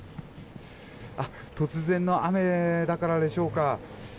突然の雨だからでしょうか。